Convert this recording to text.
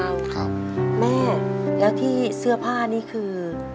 ครับแม่แล้วที่เสื้อผ้านี่คือ